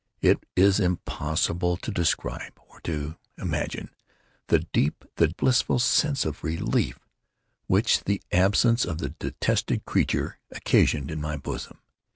It is impossible to describe, or to imagine, the deep, the blissful sense of relief which the absence of the detested creature occasioned in my bosom.